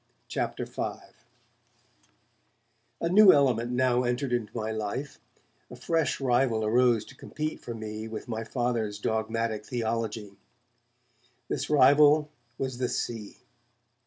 CHAPTER V A NEW element now entered into my life, a fresh rival arose to compete for me with my Father's dogmatic theology. This rival was the Sea.